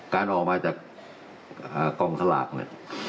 การออกมาจากกองสลากเนี่ย